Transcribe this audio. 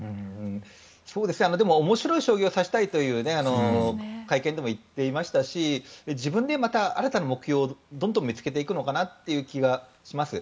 でも面白い将棋を指したいという会見でも言っていましたし自分で新たな目標をどんどん見つけていくのかなという気がします。